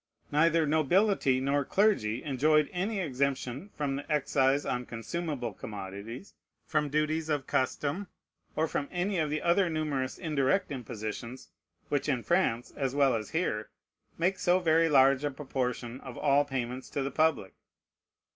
Neither nobility nor clergy enjoyed any exemption from the excise on consumable commodities, from duties of custom, or from any of the other numerous indirect impositions, which in France, as well as here, make so very large a proportion of all payments to the public.